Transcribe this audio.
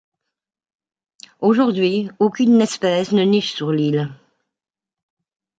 Aujourd’hui, aucune espèce ne niche sur l’île.